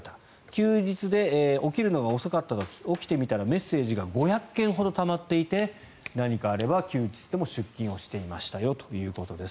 休日で起きるのが遅かった時起きてみたらメッセージが５００件ほどたまっていて何かあれば休日でも出勤をしていましたということです。